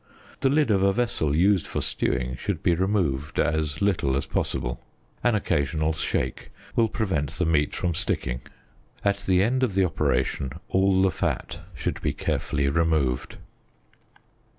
The lid of a vessel used for stewing should be re moved as little as possible. An occasional shake will prevent the meat from sticking. At the end of the operation all the fat should be carefully removed.